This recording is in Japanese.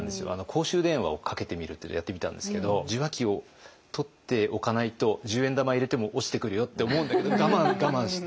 公衆電話をかけてみるっていうのやってみたんですけど受話器を取っておかないと十円玉入れても落ちてくるよって思うんだけど我慢我慢。